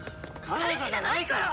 彼氏じゃないから！